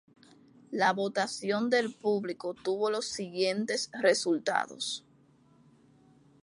La votación del público tuvo los siguientes resultados.